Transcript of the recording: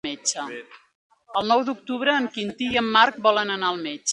El nou d'octubre en Quintí i en Marc volen anar al metge.